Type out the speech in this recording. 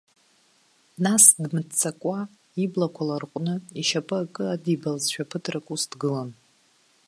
Нас дмыццакуа, иблақәа ларҟәны, ишьапы акы адибалазшәа ԥыҭрак ус дгылан.